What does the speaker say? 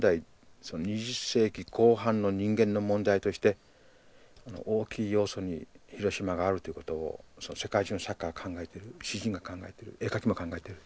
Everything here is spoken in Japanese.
その２０世紀後半の人間の問題として大きい要素に広島があるということを世界中の作家が考えてる詩人が考えてる絵描きも考えてる。